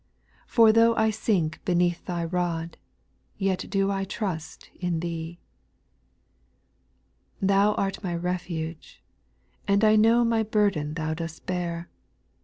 For though I sink beneath Thy rod, Yet do I trust in Thee. ! 2.(' Thou art my refuge, and I know My burden Thou dost bear.